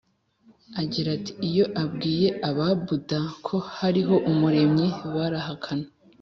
Agira ati iyo ubwiye Ababuda ko hariho Umuremyi barahakana